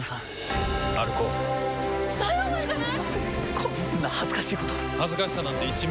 こんな恥ずかしいこと恥ずかしさなんて１ミリもない。